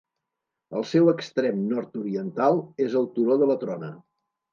El seu extrem nord-oriental és el turó de la Trona.